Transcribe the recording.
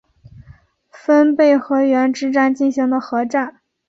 分倍河原之战进行的合战。